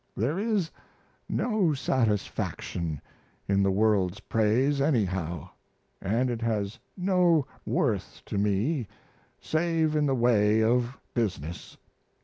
There is no satisfaction in the world's praise anyhow, and it has no worth to me save in the way of business.